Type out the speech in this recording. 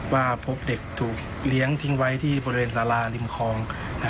ว่าพบเด็กถูกเลี้ยงทิ้งไว้ที่บริเวณสาราริมคลอง